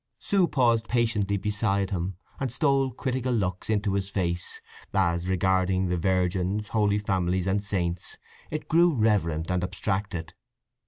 Sue paused patiently beside him, and stole critical looks into his face as, regarding the Virgins, Holy Families, and Saints, it grew reverent and abstracted.